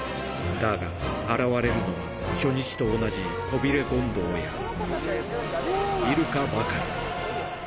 だが、現れるのは初日と同じコビレゴンドウや、イルカばかり。